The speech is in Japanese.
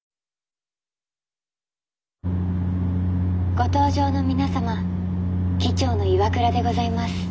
「ご搭乗の皆様機長の岩倉でございます。